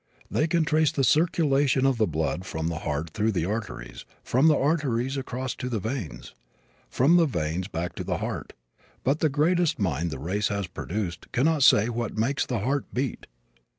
They can trace the circulation of the blood from the heart through the arteries, from the arteries across to the veins, from the veins back to the heart, but the greatest mind the race has produced cannot say what makes the heart beat.